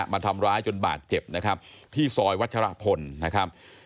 มาทำร้ายจนบาดเจ็บนะครับที่ซอยวัชรพลนะครับ